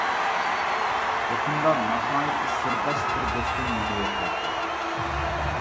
يېقىندا، ناھايىتى سىرداش بىر دوستۇم مېنى يوقلاپ كەلدى.